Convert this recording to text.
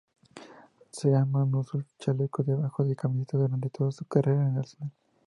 Seaman usó el chaleco debajo de camiseta durante toda su carrera en el Arsenal.